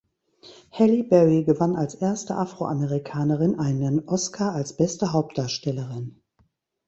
Halle Berry gewann als erste Afroamerikanerin einen Oscar als beste Hauptdarstellerin.